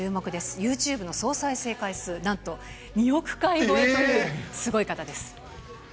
ユーチューブの総再生回数、なんと２億回超えというすごい方です。